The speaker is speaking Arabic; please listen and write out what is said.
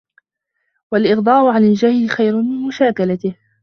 وَالْإِغْضَاءُ عَنْ الْجَاهِلِ خَيْرٌ مِنْ مُشَاكَلَتِهِ